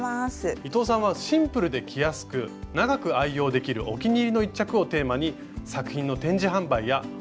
伊藤さんはシンプルで着やすく長く愛用できるお気に入りの１着をテーマに作品の展示販売や本を多数出版されています。